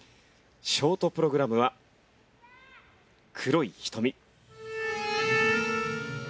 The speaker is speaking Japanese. ショートプログラムは『黒い瞳』。